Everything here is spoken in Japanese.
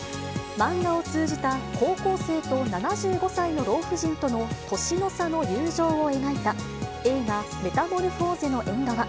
漫画を通じた高校生と７５歳の老婦人との年の差の友情を描いた、映画、メタモルフォーゼの縁側。